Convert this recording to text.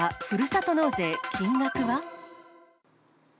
ふるさと納税、金額は？